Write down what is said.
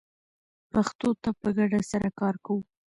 پښتو ته په ګډه سره کار کوو